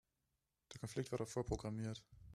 Der Konflikt war doch vorprogrammiert.